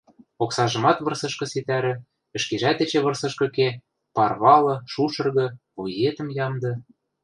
Оксажымат вырсышкы ситӓрӹ, ӹшкежӓт эче вырсышкы ке, парвалы, шушыргы; вуетӹм ямды...